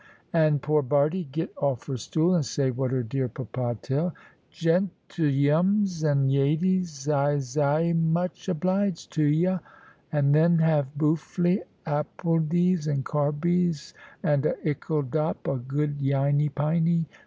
And poor Bardie get off her stool, and say what her dear papa tell. 'Gentleyums and yadies, I'se aye much obiged to 'a.' And then have boofely appledies, and carbies, and a ickle dop of good yiney piney.